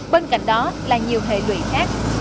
bên cạnh đó là nhiều hệ lụy khác